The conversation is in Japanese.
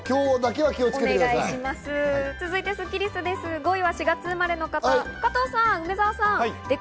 続いてスッキりす、５位は４月生まれの方、加藤さん、梅澤さん。